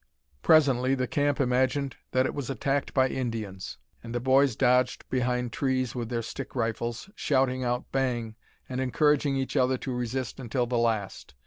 Presently the camp imagined that it was attacked by Indians, and the boys dodged behind trees with their stick rifles, shouting out, "Bang!" and encouraging each other to resist until the last.